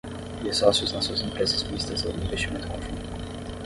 e de sócios nas suas empresas mistas ou de investimento conjunto